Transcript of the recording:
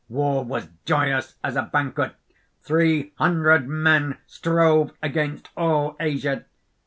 War was joyous as a banquet. Three hundred men strove against all Asia.